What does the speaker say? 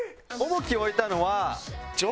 重きを置いたのは「上品」。